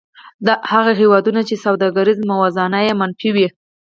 هغه هېوادونه چې سوداګریزه موازنه یې منفي وي